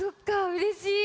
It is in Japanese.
うれしい！